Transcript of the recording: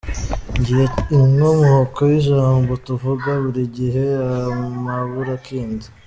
Ngiyo inkomoko y’ijambo tuvuga buri gihe “Amaburakindi”.